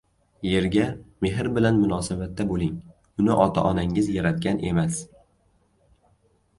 • Yerga mehr bilan munosabatda bo‘ling. Uni ota-onangiz yaratgan emas.